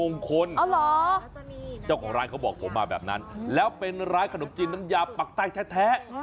เจ้าของร้านเขาบอกผมมาแบบนั้นแล้วเป็นร้านขนมจีนน้ำยาปักใต้แท้